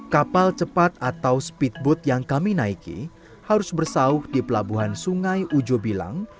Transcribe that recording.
kapal cepat atau speedboat yang kami naiki harus bersau di pelabuhan sungai ujo bilang